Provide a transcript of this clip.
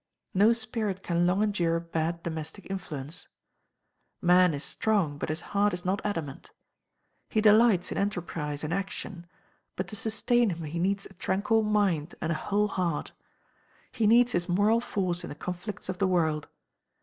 No spirit can long endure bad domestic influence. Man is strong, but his heart is not adamant. He delights in enterprise and action; but to sustain him he needs a tranquil mind, and a whole heart. He needs his moral force in the conflicts of the world.